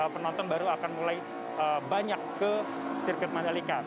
penonton baru akan mulai banyak ke sirkuit mandalika